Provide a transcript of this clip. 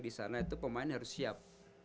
disana itu pemain harus siap